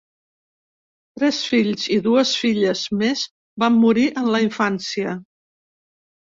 Tres fills i dues filles més van morir en la infància.